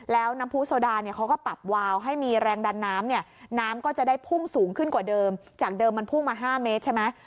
แล้วน้ำผู้โซดาเนี่ยเขาก็ปรับวาวให้มีแรงดันน้ำเนี่ยน้ำก็จะได้พุ่งสูงขึ้นกว่าเดิมจากเดิมมันพุ่งมา๕เมตรใช่ไหม